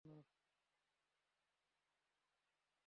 এতে অবশ্যই নিদর্শন রয়েছে প্রত্যেক ধৈর্যশীল কৃতজ্ঞ ব্যক্তির জন্য।